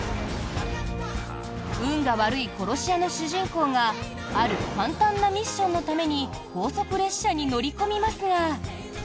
運が悪い殺し屋の主人公がある簡単なミッションのために高速列車に乗り込みますが。